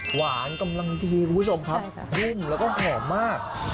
หวานกำลังดีครับคุณผู้ชมครับยุ่มแล้วก็หอมมาก